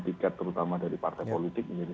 tiket terutama dari partai politik menjadi